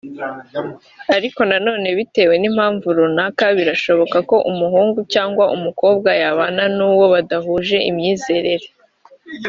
Ariko nanone bitewe n’impamvu runaka birashoboka ko umukobwa/umuhungu yabana n’uwo badahuje imyizerere